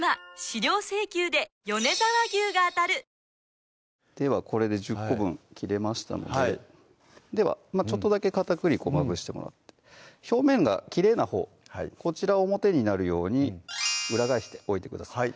大丈夫ですではこれで１０個分切れましたのでではちょっとだけ片栗粉まぶしてもらって表面が綺麗なほうこちら表になるように裏返しておいてください